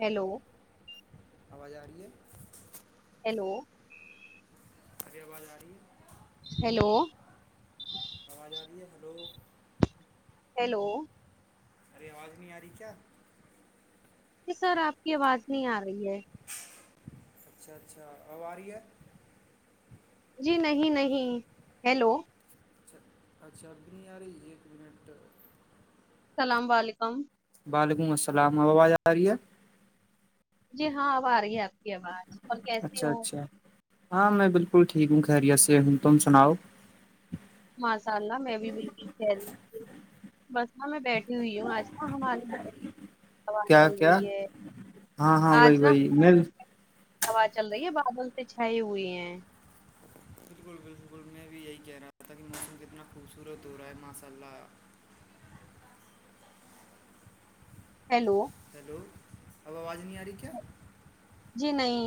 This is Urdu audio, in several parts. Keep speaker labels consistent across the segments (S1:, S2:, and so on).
S1: ہیلو
S2: آواز آ رہی ہے
S1: ہیلو
S2: ہر آ باز آاری
S1: ہیلو
S2: آاز ج آ رہی ہے ہ لوگ
S1: ہیلو
S2: اےواز نہیں آ رہی کیا
S1: کہ سر آپ کی آواز نہیں آ رہی ہے
S2: اچھا اچھا آواری ہے
S1: جی نہیں نہیں ہیلو
S2: اچھا اچھا اب بھی نہیں آ رہی ایک منٹ
S1: السلام علیکم
S2: وعلیکم السلام آواز آ رہی ہے
S1: جی ہاں اب آ رہی ہے آپ کی آواز اور کیسے
S2: اچھا
S1: ہو
S2: اچھا ہاں میں بالکل ٹھیک ہوں خیریت سے ہ تم سناؤ
S1: ماشاء اللہ میں بھی بالکل خل بس میںاں میں بیٹھی ہوئی ہوں آج ن ہم آج واز
S2: کیا
S1: چل
S2: کیا
S1: رہی ہے
S2: ہاں ہاں
S1: آج
S2: وہی
S1: نا
S2: وہی میں
S1: س چل رہی ہے بادل سے چھائی ہوئی ہیں
S2: بالکل بالکل میں بھی یہی کہہ رہاوں کہ موسم کتنا خوبصور ہو رہا ہے ماشاء اللہ
S1: ہیلو
S2: ہیلو اب آواز نہیں آ رہی کیا
S1: جی نہیں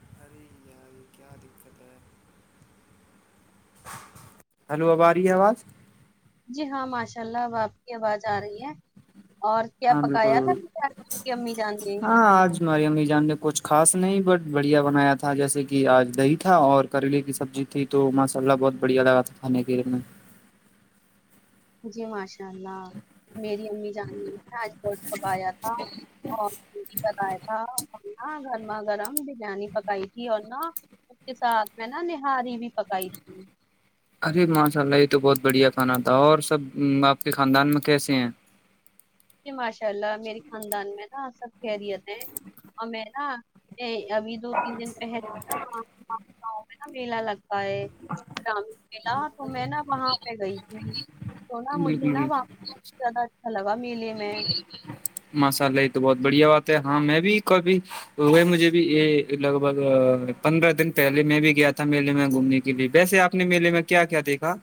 S2: ارے یار یہ کیا دقت ہے ہلو آباری ہے آواز
S1: جی ہاں ماشاء اللہ اب آپ کی آواز آ رہی ہے اور کیا
S2: ہاں
S1: پکایا
S2: بالکل
S1: تھا
S2: بالکل۔
S1: کی امی جان نے
S2: ہاں آج ہماری املی جان نے کچھ خاص نہیں بٹ بڑھیا بنایا تھا جیسے کہ آج دہی تھا اور کریلے کی سبزی تھی تو ماشاء اللہ بہت بڑھیا لگا تھا کھانے کے میں
S1: جی ماشاء اللہ میری امی جان نے ایج بوڈ پکایا تھا اور ک بتایا تھا اور نہ گرما گرم بریانی پکائی تھی اور نہا اس کے ساتھ میں نا نہاری بھی پکائی تھی
S2: ارے ماشاء اللہ یہ تو بہت بڑھیا کھانا تھا اور سب آپ کے خاندان میں کیسے ہیں
S1: جی ماشاء اللہ میرری خاندان میں نا سب خیریت ہیں اور میں نا ابھی دو تین دن پہل نا گاؤں میں نا میلہ لگتاا ہے املا تو میں نا وہاں پہ گئی تھی تو نہا مجھے
S2: بالکل
S1: نہا
S2: بالکل
S1: زدا اچھا لگا میلے میں
S2: ماشاء اللہ یہ تو بہت بڑھیا بات ہے ہاں میں بھی کوبھی وہ مجھے بھی لگ بگ پندرہ دن پہلے میں بھی گیا تھا میلے میں گھومنے کے لیے ویسے آپ اپنے میے میں کیا کیا دیکھا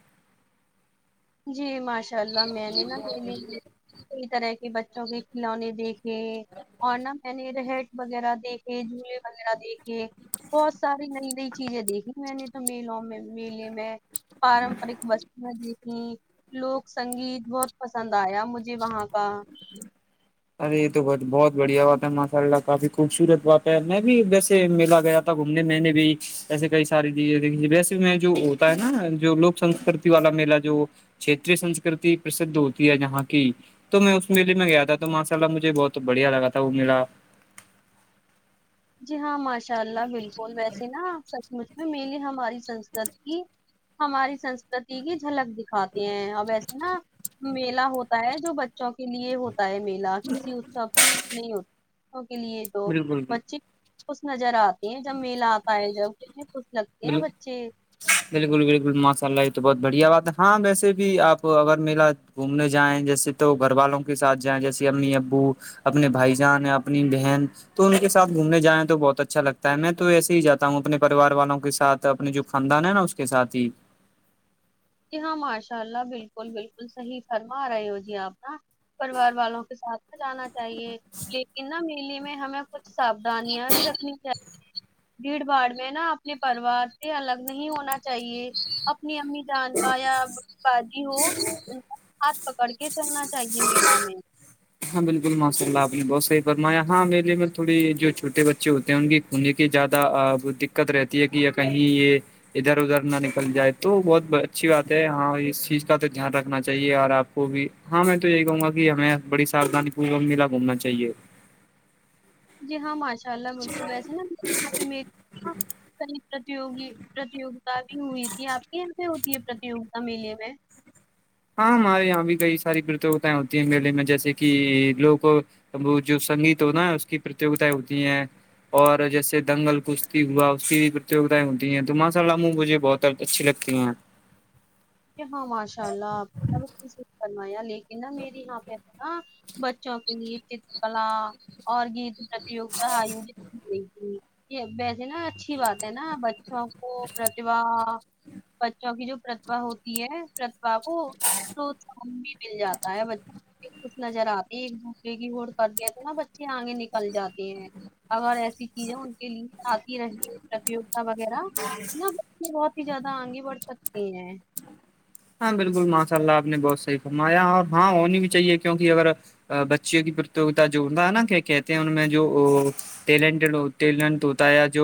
S1: جی ماشاء اللہ میں نے نا دلی کئی طرح کے بچوں کے کھلونے دیکھے اور نہ میں نے رہ وغیرہ دیکھے جھولے وغیرہ دیکھے بہت ساری نئی نئی چیزیں دیکھی میں نے تو میلوں میں میلے میں پارمپرک وستوں دیکھیں لوک سنگیت بہت پسند آیا مجھے وہاں کا
S2: ارے یہ تو بت بہت بڑھیا بات ہے ماشاء اللہ کافی خوبصورت بات ہے میں بھی ویسے میلا گیا تھا گھومنے میں نے بھی ایسے کئی ساری چیزیںیک ویسے میں جو ہوتا ہے نا جو لوک سنسکرتی والا میلہ جو چتری سنسکرتی پرسدھ ہوتی ہے جہاں کی تو میں اس میے میں گیا تھا تو ماشاء اللہ مجھے بہت بڑھیا لگا وہ ملا
S1: جی ہاں ماشاء اللہ بالکل ویسی ناپ سچ مھ مینلی ہماری سسک کی ہماری سسکرتی کی جھلک دکھاتے ہیں اب ایسے ہے نا میلہ ہوتا ہے جو بچوں کے لیے ہوتا ہے میلہ کسی اسو نہیں ہو ا کے لیے تو
S2: بالکل بالکل
S1: بچے خوش نظر آتے ہیں جب میلہ آتا ہے جب اس میں خوش لگتے ہیں
S2: بالکل
S1: بچے
S2: بالکل بالکل ماشاء اللہ یہ تو بہت بڑھیا بات ہے ہاں ویسے بھی آپ اگر میلا گھومنے جائیں جیسے تو گھر والوں کے ساتھ جائیں جیسے امی ابو اپنے بھائی جان اپنی بہن تو ان کے ساتھومنے جائیں تو بہت اچھا لگتا ہے میں تو ایسے ہی جاتا ہوں اپنےریوار والوں کو کے ساتھ اپنے جو خاندان ہے نا اس کے سات ہی
S1: جی ہاں ماشاء اللہ بالکل بالکل صحیح فرما رہے ہو جی آپ پریوار والوں کے ساتھ نہ جانا چاہیے لیکن نہ میلی میں ہمیں کچھ ساابدھانیاں بھی رکھنی چاہی بھیڑ بھاڑ میں نا اپنے پروار سے الگ نہیں ہونا چاہیے اپنی امی جان کا یا بجی ہو ان ہاتھ پکڑ کے چلنا چاہیے میلا میں
S2: ہاں بالکل ماشاء اللہپ نے بہتحی فرمایا ہاں میرے تھوڑی جو چھوٹے بچے ہوتے ہیں ان کی انہیں کی زیادہ دقت رہتی ہے کہ یا کہیں یہ ادھر ادھر نہ نکل جائے تو بہت اچھی بات ہے ہاں اس چیز کا تو دھیان رکھنا چاہیے اور آپ وہ بھی ہاں میں تو یہی کہوں گا کہ ہمیں بڑی ساردانی پورک میلا گھومنا چاہیے
S1: جی ہاں ماشاء اللہ بالکل ویسے نا نا
S2: ہاں
S1: کئی پرتوگی پرتیوگتا بھی ہوئی تھی آپ کے یہاں پ ہوتی ہے پرتیوگتا میلے میں
S2: ہاں ہمارے یہاں بھی کئی ساری پرتوتایں ہوتی ہیں میلے میں جیسے کہ لوگ وہ جو سنگیت ہو نا اس کی پرتیوتائیں ہوتی ہیں اور جیسے دنگل کشتی ہوا اس کی بھی پرتیوگائیں ہوتی ہیں تو ماشا اللہاموں مجھے بہت اچھی لگتی ہیں
S1: ہاں ماشاء اللہ آپ کروایا لیکن نا میری یہاں پہ نا بچوں کے لیے چترکلا اور گیت پرتیوگتا آیوجت کر گئی تھی یہ ویسے نا اچھی بات ہے نا بچوں کو پرتیھا بچوں کی جو ہوتی ہے پرتھا کو پروساہن بھی مل جاتا ہے کچھ نظر آتے ایک دوسرے کی ہوڑ کر د ہیں تو نا بچے آگے نکل جاتے ہیں اگر ایسی چیزیں ان کے لیے آتی رہیے پرتیوگتا وغیرہ نہ بچے بہت ہی زیادہ آگے بڑھ سکتی ہیں
S2: ہاں بالکل ماشاء اللہ آپ نے بہت صحیح فرمایا اور ہاں ہونی بھی چاہیے کیونکہ اگر بچیوں کی پرتوتا جو ہوتا ہے نا کہتے ہیں ان میں جو ٹیلن ٹیلنٹ ہوتا ہے جو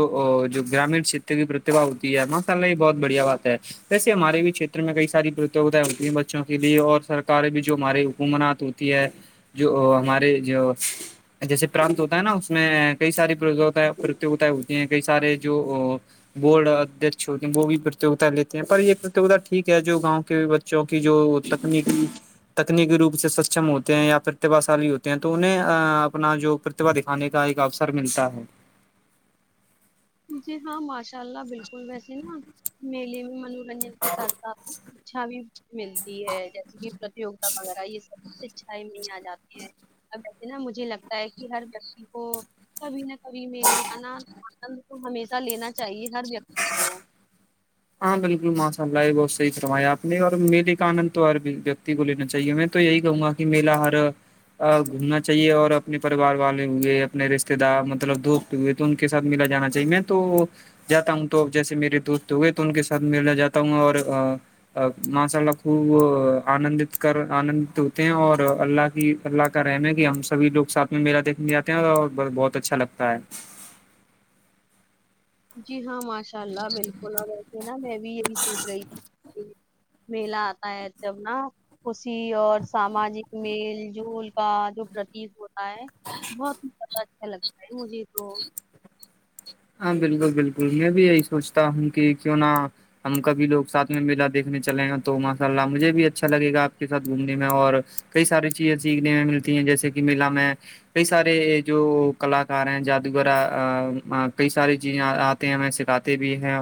S2: گرامین کت کی پرتبا ہوتی ہےا ہی بہت بڑھیا بات ہے ویسے ہمارے بھی چھیتر میں کئی ساری پرتیوگتائیں ہوتی ہیں بچوں کے لیے اور سرار بھی جو ہماری حکومانات ہوتی ہے جو ہمارے جو جیسے پرانت ہوتا ہے نا اس میں کئی ساری پرتوتاائیں ہوتی ہیں کئی سارے جو بورڈ ادھیش ہوتے ہیں وہ بھی پرتیوگتا لیتے ہیں پر یہ پرتیوگتا ٹھیک ہے جو گاؤں کے بچوں کی جو تکنیکی تکنیکی روپ سے سکچم ہوتے ہیں یا پرتبا شالی ہوتے ہیں تو انہیں اپنا جو دکھانے کا ایک اوسر ملتا ہے
S1: جی ہاں ماشاء اللہ بالکل ویسے نا میلے میں من م کے ساتھ ساتھ شچھا بھی ملتی ہے جیسے کہ پرتیوتا وغیرہ یہ سب سچھائی نہیں آ جاتی ہے ا وسے نا مجھے لگتا ہے کہ ہر ویکتی کو کبھی نہ کبھی میلے کا آنند ہمیشہ لا چاہیے ہر و
S2: ہاں بالکل ماشاء اللہ یہ بہت صحی فرایا آپ نے اور میرے کا آنند تو ہر ویکتی کو لینا چاہیے میں تو یہی کہوں گا میلہ ہر گھومنا چاہیے اور اپنے پریوار والے ہوئے اپنے رشتے دار مطلب دپ ئے تو ان کے سھ ملا جانا چاہیے میں تو جاتا ہوں توب جیسے میرے دوست ہوئے تو ان کے ساتھ مللا جاتا ہوں اور ماشاء اللہ خوب آنندت کر آنندت ہوتے ہیں اور اللہ کی اللہ کا رحم ہے کہ ہم سبھی لوگ سھ میں میلا دیکھنے جتے ہیں اور بہت اچھا لگتا ہے
S1: جی ہاں ماشاء اللہ بالکل اور ویسے نا میں بھی یہی سوچ رہی تھی میلا آتا ہے جب نا خوشی اور ساماجک میل جول کا جو پرتییک ہوتا ہے بہت ہی زیادہ اچھا لگتا ہے مجھے تو
S2: ہاں بالکل بالکل میں بھی یہی سوچتا ہوں کہ کیوں نہ ہم کبھی لوگ ساتھ میں میلا دیکھنے چلے ہیں تو ماشاء اللہ مجھے بھی اچھا لگےا آپ کے ساتھ گھومنے میں اور کئی ساری چیزیں سیکھنے میں ملتی ہیں جیسے کہ میلا میں کئی سارے جو کلاکار ہیں جادوگر کئی ساری چیزیں آتے ہیں ہمیں سکھاتے بھی ہیں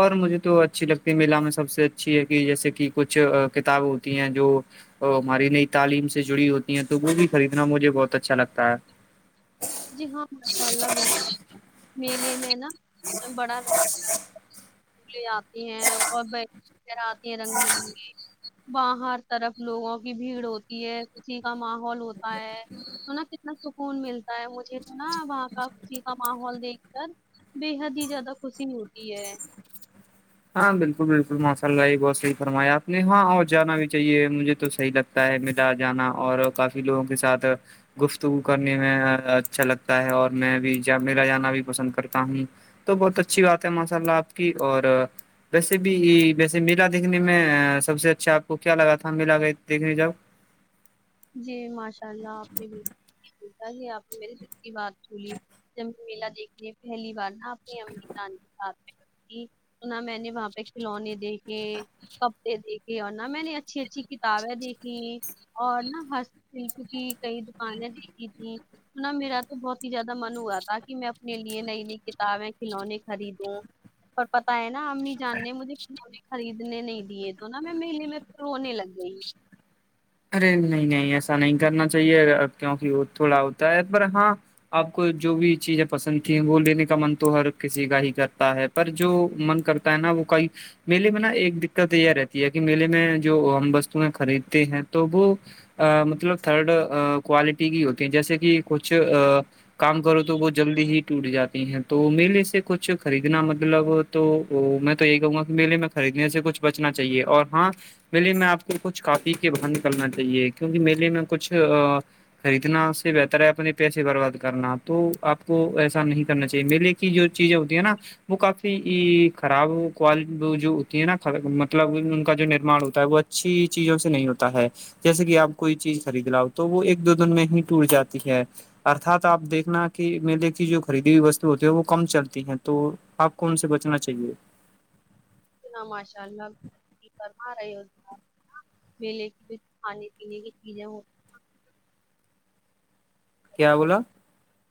S2: اور مجھے تو اچھی لگتی ہے میلا میں سب سے اچھی ہے کہ جیسے کہ کچھ کتاب ہوتی ہیں جو اور ہماری نئی تعلیم سے جڑی ہوتی ہیں تو وہ بھی خریدنا مجھے بہت اچھا لگتا ہے
S1: جی ہاں ماشاء اللہ بالکل میلے میں نا بڑا آتی ہیں اور آتی ہیں رنگ برنگی باہر طرف لوگوں کی بھیڑ ہوتی ہے کسی کا ماحول ہوتا ہے تو نا کتنا سکون ملتا ہے مجھے تو نا وہاں کا خوشسی کا ماحول دیکھ کر بےحد ہی زیادہ خوشی ہوتی ہے
S2: ہاں بالکل بالکل ماشاء اللہ یہ بہتحی فرمایا آپ نے ہاں اور جانا بھی چاہے مجھے تو صحگتا تا ہے میدار جانا اور کافی لوگوں کے ساتھ گفتگو کرنے میں اچھا لگتا ہے اور میں بھی جب میرا جانا بھی پسند کرتا ہوں تو بہت اچھی بات ہے ماشاء اللہ آپ کی اور ویسے بھی ویسے میلا دیکھنے میں سب سے اچھا آپ کو کیا لگا تھا میلا دیکھنے جا
S1: جی ماشاء اللہ آپ نے بھی آپ نے میرے سے کی بات سنی جمک میلا دیکھ لی پہلی بار نہپ نے جان ساتھ نہ میں نے وہاں پہ کھلونے دیکھے کپتےے دیکھے اور نہا میں نے اچھی اچھی کتابیں دیکھی اور نہا ہسلک کی کئی دکانیں دیکھی تھی سنا میرا تو بہت ہی زیادہ من ہوا تھا کہ میں اپنے لیے نئی نئی کتابیں کھلونے خریدوں اور پتا ہے نا امی جاننے ہیں مجھے مے خریدنے نہیں دیے تو نا میں میے میں پ رونے لگ گئی
S2: ارے نہیں نہیں ایسا نہیں کرنا چاہیے کیوںکہ وہ تھوڑا ہوتا ہے پر ہاں آپ کو جو بھی چیزیں پسند ت وہ لینے کا من تو ہر کسی کا ہی کرتا ہے پر جو من کرتا ہے نا وہ کئی میل میں نا ایک دقت یہ رہتی ہے کہ میلے میں جو ہم وستویں خریدتے ہیں تو وہ مطلب تھرڈ کوالٹی کی ہوتی ہیں جیسے کہ کچھ کام کرو تو وہ جلدی ہی ٹوٹ جاتی ہیں تو میلے سے کچھ خریدنا مطلب تو میں تو یہی کہوں گا کہ میلے میں خریدنے سے کچھ بچنا چاہیے اور ہاں میے میں آپ کو کچھ کاپی کے بر نکلنا چاہیے کیونکہ میلے میں کچھ خریدنا سے بہتر ہے اپنے پیسے برباد کرنا تو آپ کو ایسا نہیں کرنا چاہیے میر لے چ جو چیز آتی ہےا وہ کافی خراب کوال جو ہوتی ہے نا مطلب ان کا جو نرمان ہوتا ہے وہ اا اچھی چیزوں سے نہیں ہوتا ہے جیسے کہ آپ کوئی چیز خرید لا ہو تو وہ ایک دو دن میں ہی ٹوٹ جاتی ہے ارھات آپ دیکھنا کہ میلے کی جو خریدی ہوئی وستو ہوتی ہے وہ کم چلتی ہے تو آپ کون سے بچنا چاہیے
S1: ماشاء اللہ کرم رہے ہو میلے کی بھی کھانے پینے کی چیزیں ہوتی
S2: کیا بولا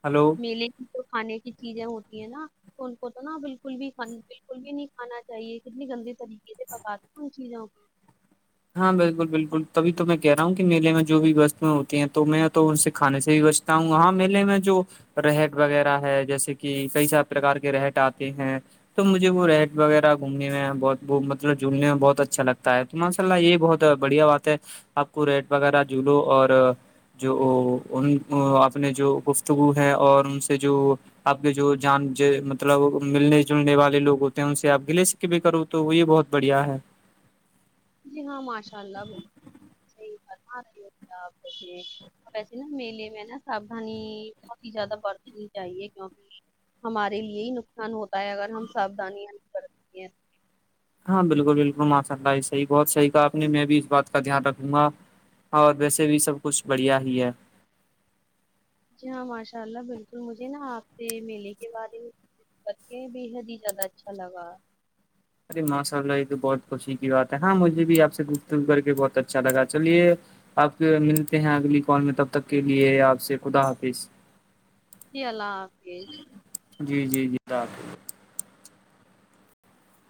S2: ہلو
S1: میلے کی تو کھانے کی چیزیں ہوتی ہیں نا ان کو تو نا بالکل بھی بالکل بھی نہیں کھانا چاہیے کتنی گندی طریقے سے پکاتے ان چیزوں کو
S2: ہاں بالکل بالکل تبھی تو میں کہہ رہا ہوں میلے میں جو بھی وستو ہوتی ہیں تو میں تو ان سے کھانے سے ہی و تا ہوں وہاں میلے میں جو رہٹ وغیرہ ہے جیسے کہ کئی سب پرکار کے رہٹ آتے ہیں تو مجھے وہ ریٹ وغیرہ گھومنے میں بہ مطلب جھومنے میں بہت اچھا لگتا ہے تو م اء اللہ یہ بہت بڑھیا بات ہے آپ کو ریٹ وغیرہ جولو اور جو ان اپنے جو گفتگو ہے اور ان سے جو آپ کے جو جان مطلب ملنے جلنے والے لوگ ہوتے ہیں ان سے آپ کے لے سک بھی کروں تو وہ یہ بہت بڑھیا ہے
S1: جی ہاں ماشاء اللہ بالکل صحی فرما رہی ہو آپے ویسے نا میلے میں نا ساھانی بہت ہی زیادہ برتنی چاہیے کیونکہ ہمارے لیے ہی نقصان ہوتا ہے اگر ہم ساابدانیاں کر
S2: ہاں بالکل بالکل ماشاء اللہ یہ صحی بہت صحیح کہ آپ نے میں بھی اس بات کا دھیان رکھوں گا اور ویسے بھی سب کچھ بڑھیا ہی ہے
S1: جی ہاں ماشاء اللہ بالکل مجھے نا آپ سے میلے کے بعد ہی بکے بے حد ہی زیادہ اچھا لگا
S2: ارے ماشاء اللہ یہ تو بہت خوشی کی بات ہے ہاں مجھے بھی آ سے گپتپ کر کے بہت اچھا لگا چلیے آپ ملتے ہیں اگلی کال میں تب تک کے لیے آپ سے خدا حافظ
S1: جی اللہ حافظ
S2: جی جی جی ر